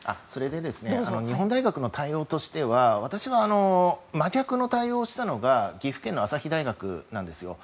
日本大学の対応としては真逆の対応をしたのが岐阜県の朝日大学なんですよ。